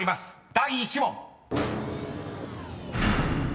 第１問］